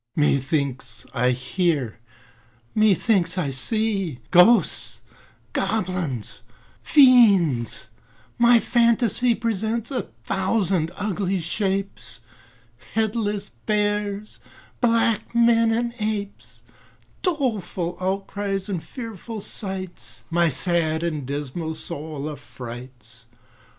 Methinks I hear, methinks I see Ghosts, goblins, fiends; my phantasy Presents a thousand ugly shapes, Headless bears, black men, and apes, Doleful outcries, and fearful sights, My sad and dismal soul affrights.